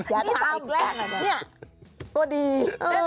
อย่าทำเนี่ยตัวดี